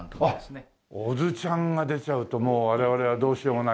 あっ小津ちゃんが出ちゃうともう我々はどうしようもないね。